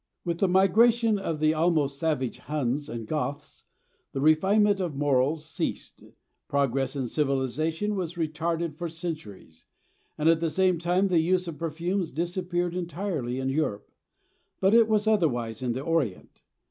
With the migration of the almost savage Huns and Goths, the refinement of morals ceased, progress in civilization was retarded for centuries, and at the same time the use of perfumes disappeared entirely in Europe; but it was otherwise in the Orient.